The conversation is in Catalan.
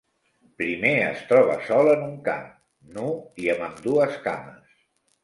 Primer es troba sol en un camp, nu i amb ambdues cames.